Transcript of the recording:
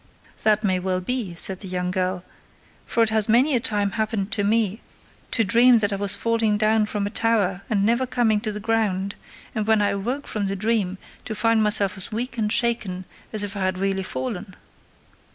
"That may well be," said the young girl, "for it has many a time happened to me to dream that I was falling down from a tower and never coming to the ground, and when I awoke from the dream to find myself as weak and shaken as if I had really fallen."